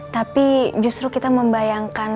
tapi justru kita membayangkan